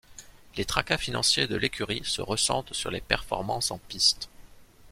Les tracas financiers de l'écurie se ressentent sur les performances en piste.